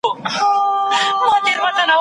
خاوند او ميرمن ځانته ژوند نه کوي.